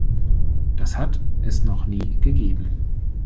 Das hat es noch nie gegeben.